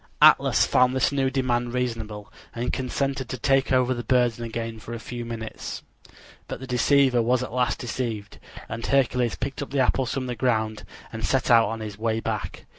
Atlas found this new demand reasonable, and consented to take over the burden again for a few minutes. But the deceiver was at last deceived, and Hercules picked up the apples from the ground and set out on his way back.